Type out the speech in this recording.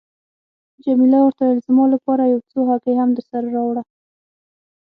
جميله ورته وویل: زما لپاره یو څو هګۍ هم درسره راوړه.